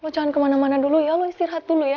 oh jangan kemana mana dulu ya allah istirahat dulu ya